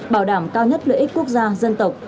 bảo đảm cao nhất lợi ích quốc gia dân tộc